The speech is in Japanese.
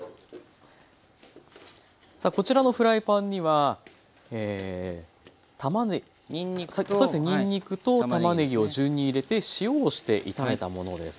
さあこちらのフライパンにはにんにくとたまねぎを順に入れて塩をして炒めたものです。